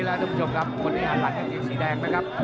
ทุกผู้ชมครับคนที่หันหลัดอย่างเย็นสีแดงนะครับ